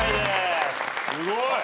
すごい。